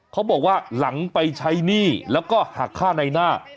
เขาบอกว่าหลังไปใช้หนี้แล้วก็หักค่าในหน้า